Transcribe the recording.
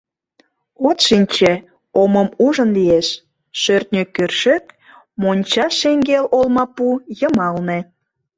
От шинче, омым ужын лиеш: шӧртньӧ кӧршӧк монча шеҥгел олмапу йымалне!